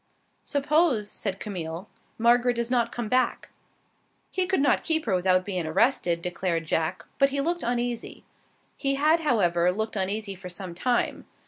"Suppose," said Camille, "Margaret does not come back?" "He could not keep her without bein' arrested," declared Jack, but he looked uneasy. He had, however, looked uneasy for some time.